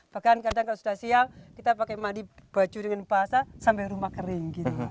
bahkan kadang kalau sudah siang kita pakai mandi baju dengan bahasa sampai rumah kering